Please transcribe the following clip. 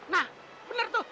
nah bener tuh